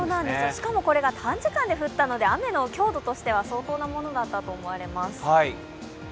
しかもこれが短時間で降ったので雨の強度としては相当なものだったと思われます。